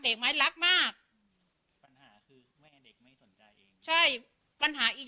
ไหมรักมากปัญหาคือไม่ให้เด็กไม่สนใจเองใช่ปัญหาอีก